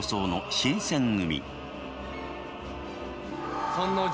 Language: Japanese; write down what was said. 「新選組！！